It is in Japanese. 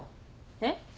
えっ？